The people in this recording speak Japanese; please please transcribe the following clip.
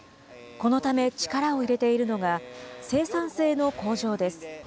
このため力を入れているのが、生産性の向上です。